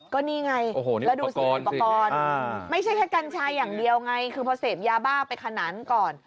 ก็นี่ไงแล้วดูสิอุปกรณ์ไม่ใช่แค่กัญชาอย่างเดียวไงคือพอเสพยาบ้าไปขนานก่อน